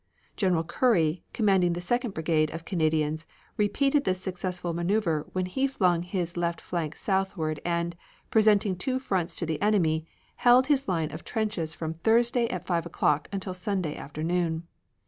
General Curry, commanding the Second brigade of Canadians, repeated this successful maneuver when he flung his left flank southward and, presenting two fronts to the enemy, held his line of trenches from Thursday at 5 o'clock until Sunday afternoon.